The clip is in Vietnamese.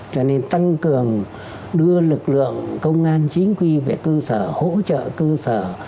cho nên tăng cường đưa lực lượng công an chính quy về cơ sở hỗ trợ cơ sở